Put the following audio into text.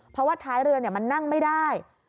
เพราะว่าท้ายเรือมันนั่งไม่ได้